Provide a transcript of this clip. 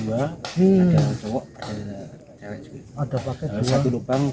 ada paket dua